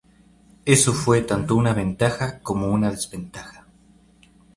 Esto fue tanto una ventaja como una desventaja.